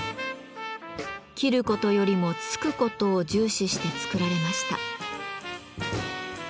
斬ることよりも突くことを重視して作られました。